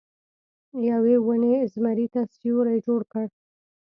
یوې ونې زمري ته سیوری جوړ کړ.